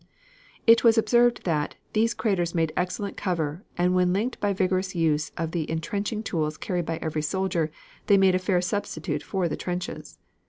It was observed that, these craters made excellent cover and when linked by vigorous use of the intrenching tools carried by every soldier, they made a fair substitute for the trenches.